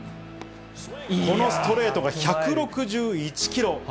このストレートが１６１キロ。